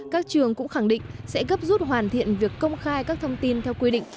các trường cũng khẳng định sẽ gấp rút hoàn thiện việc công khai các thông tin theo quy định